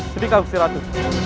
sedih kak bukhsyiratu